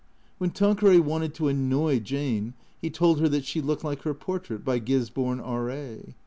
When Tanqueray wanted to annoy Jane he told her that she looked like her portrait by Gisborne, E.A.